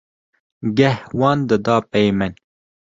geh wan dida pey min.